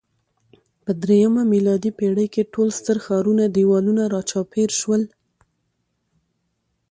په درېیمه میلادي پېړۍ کې ټول ستر ښارونه دېوالونو راچاپېر شول